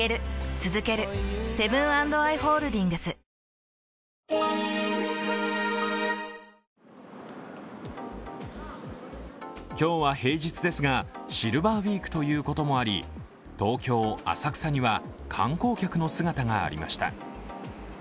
街の人は今日は平日ですが、シルバーウイークということもあり、東京・浅草には観光客の姿がありました。